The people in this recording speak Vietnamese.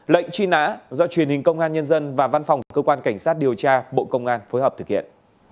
lệnh truy nã do truyền hình công an nhân dân và văn phòng cơ quan cảnh sát điều tra bộ công an phối hợp thực hiện